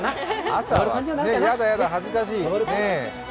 朝はやだやだ、恥ずかしい。